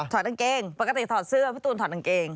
กางเกงปกติถอดเสื้อพี่ตูนถอดกางเกง